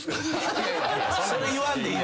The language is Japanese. それ言わんでいい。